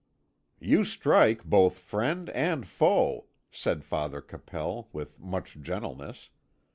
"You strike both friend and foe," said Father Capel, with much gentleness.